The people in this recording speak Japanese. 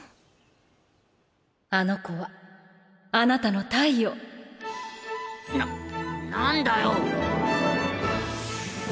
あの子はあなたの太陽な何だよ。